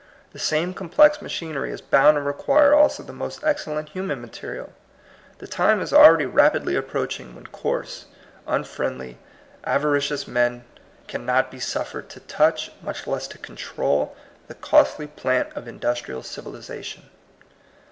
The same complex machinery is bound to require also the most excellent human material. The time is already rap idly approaching when coarse, unfriendly, avaricious men cannot be suffered to touch, much less to control, the costly plant of industrial civilization.